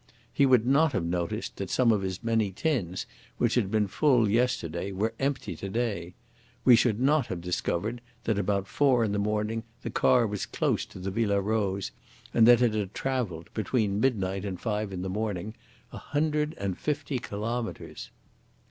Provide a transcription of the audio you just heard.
He would not have noticed that some of his many tins which had been full yesterday were empty to day. We should not have discovered that about four in the morning the car was close to the Villa Rose and that it had travelled, between midnight and five in the morning, a hundred and fifty kilometres."